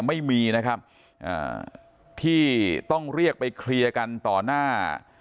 ไม่มีนะครับอ่าที่ต้องเรียกไปเคลียร์กันต่อหน้า